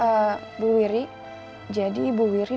tengkil atau dolay kaliller